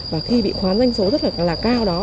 và khi bị khoán doanh số rất là cao đó